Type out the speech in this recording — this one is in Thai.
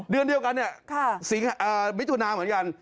เดือนเดียวกันเนี่ยมิถุนาเหมือนกัน